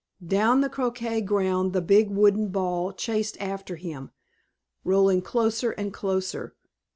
Down the croquet ground the big wooden ball chased after him, rolling closer and closer.